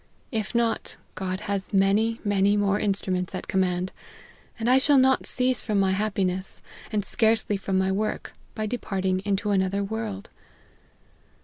If not, God has many, ma'ny more instruments at command ; and I shall not cease from my happiness, and scarcely from my work, by departing into another world.